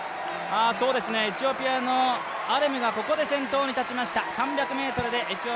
エチオピアのアレムがここで先頭に立ちました。